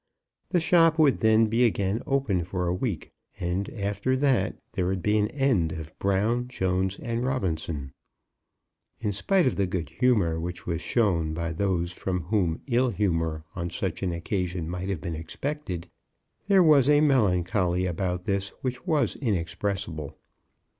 The shop would then be again opened for a week, and, after that, there would be an end of Brown, Jones, and Robinson. In spite of the good humour which was shown by those from whom ill humour on such an occasion might have been expected, there was a melancholy about this which was inexpressible.